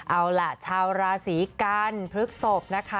เอาล่ะชาวราศีกันพฤกษกนะคะ